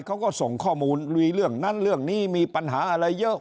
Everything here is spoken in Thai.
เขาก็ส่งข้อมูลลุยเรื่องนั้นเรื่องนี้มีปัญหาอะไรเยอะ